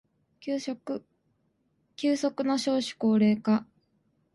急速な少子高齢化